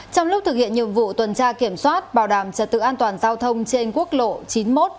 trong lúc thực hiện nhiệm vụ tuần tra kiểm soát bảo đảm trật tự an toàn giao thông trên quốc lộ chín mươi một